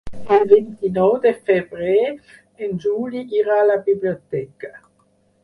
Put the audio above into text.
El vint-i-nou de febrer en Juli irà a la biblioteca.